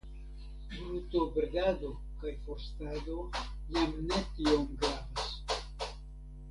Brutobredado kaj forstado jam ne tiom gravas.